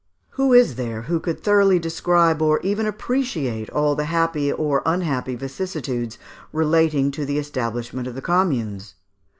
] Who is there who could thoroughly describe or even appreciate all the happy or unhappy vicissitudes relating to the establishment of the Communes?